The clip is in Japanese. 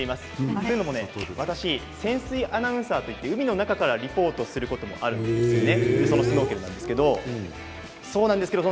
というのも私、潜水アナウンサーといって海の中からリポートすることがあるんですよね。